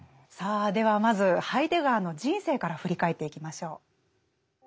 さあではまずハイデガーの人生から振り返っていきましょう。